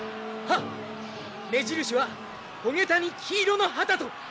はっ目印は帆桁に黄色の旗と。